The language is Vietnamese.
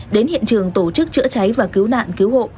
đến hiện trường tổ chức chữa cháy và cứu nạn cứu hộ